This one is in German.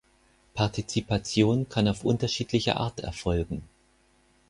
Partizipation kann auf unterschiedliche Art erfolgen.